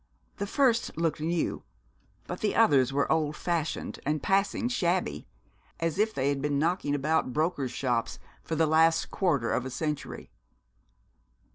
The first looked new, but the others were old fashioned and passing shabby, as if they had been knocking about brokers' shops for the last quarter of a century.